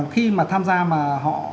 khi mà tham gia mà họ